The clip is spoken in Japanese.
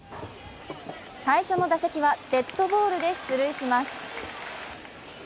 最初の打席はデッドボールで出塁します。